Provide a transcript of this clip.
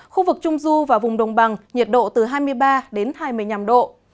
khu vực trung du và vùng đồng bằng nhiệt độ từ hai mươi ba đến hai mươi năm độ